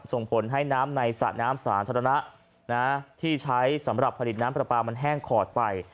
ส่งผลให้น้ำในสระน้ำสาธารณะที่ใช้สำหรับผลิตน้ำปลาปลามันแห้งขอดไป